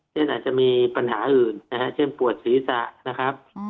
อาจจะมีปัญหาอื่นนะฮะเช่นปวดศีรษะนะครับ